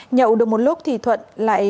nhậu được một lúc thì thuận lại